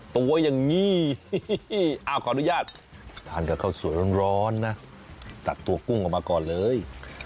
ตัวอย่างนี้ขออนุญาตทานกับข้าวสวยร้อนนะตัดตัวกุ้งออกมาก่อนเลย